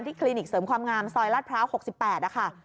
ที่คลินิกเสริมความงามซอยรัดพระ๒๐๑๘ค่ะ